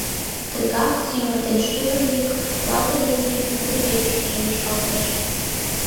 Тыгак тӱмыр ден шӱвыр йӱк Лазыр Якимын кудывечыштыже лӱшкалтеш.